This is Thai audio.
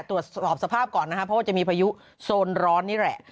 ตรวจสอบสภาพก่อนนะครับเพราะว่าจะมีพายุโซนร้อนนี่แหละ